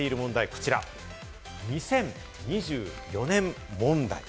こちら、２０２４年問題。